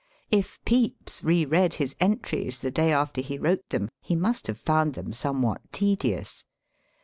If Pepys re read his entries the day after he wrote them, he must have found them somewhat tedious.